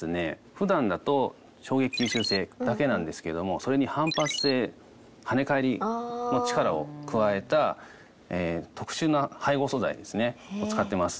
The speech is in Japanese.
普段だと衝撃吸収性だけなんですけれどもそれに反発性跳ね返りの力を加えた特殊な配合素材を使ってます。